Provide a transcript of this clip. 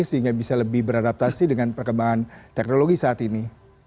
sehingga bisa lebih beradaptasi dengan perkembangan teknologi saat ini